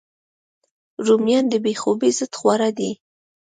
رومیان د بې خوبۍ ضد خواړه دي